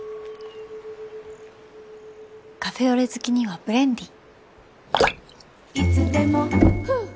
カフェオレ好きには「ブレンディ」